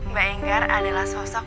mbak enggar adalah sosok